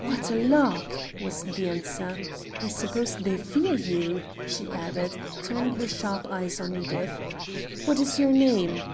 "What a lark!" was the answer. "I suppose they fear you," she added, turning her sharp eyes on Edith. "What is your name?"